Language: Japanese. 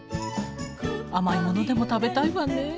甘いものでも食べたいわねえ。